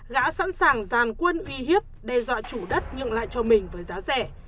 gã sẵn sàng giàn quân uy hiếp đe dọa chủ đất nhượng lại cho mình với giá rẻ